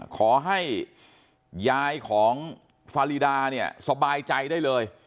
ขอให้ยายของฟารีดาเนี่ยสบายใจได้เลย